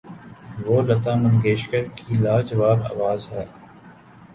وہ لتا منگیشکر کی لا جواب آواز ہے۔